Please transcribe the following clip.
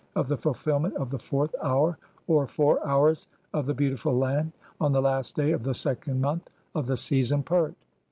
of the fulfilment of the fourth "hour (or four hours) of the beautiful land (?), on the last day "of the second month of the season pert.